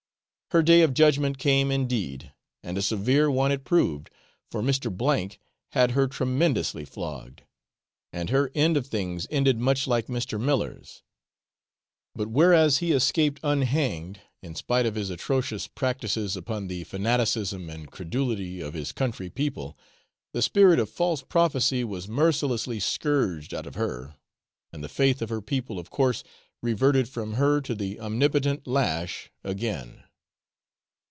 Her day of judgement came indeed, and a severe one it proved, for Mr. K had her tremendously flogged, and her end of things ended much like Mr. Miller's; but whereas he escaped unhanged, in spite of his atrocious practices upon the fanaticism and credulity of his country people, the spirit of false prophecy was mercilessly scourged out of her, and the faith of her people of course reverted from her to the omnipotent lash again.